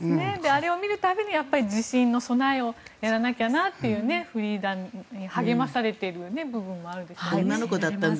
あれを見る度に地震の備えをやらなきゃなというフリーダに励まされている部分もあるでしょうね。